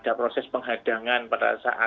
ada proses penghadangan pada saat proses perhitungan